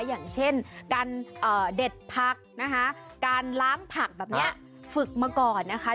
อย่างเช่นการเด็ดผักนะคะการล้างผักแบบนี้ฝึกมาก่อนนะคะ